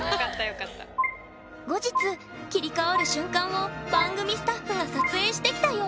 後日切り替わる瞬間を番組スタッフが撮影してきたよ！